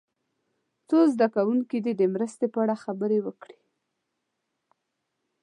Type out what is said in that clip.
څو زده کوونکي دې د مرستې په اړه خبرې وکړي.